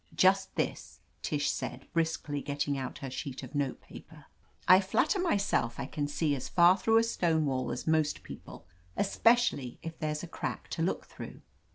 "Just this," Tish said briskly getting out her sheet of note paper. "I flatter myself I can see as far through a stone wall as most people, especially if there's a crack to look « through.